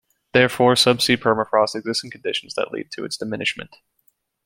Therefore, subsea permafrost exists in conditions that lead to its diminishment.